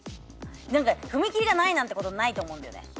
何か踏切がないなんてことないと思うんだよね。